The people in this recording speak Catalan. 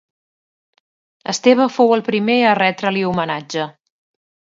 Esteve fou el primer a retre-li homenatge.